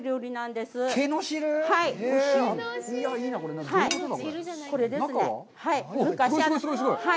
すごい、すごい。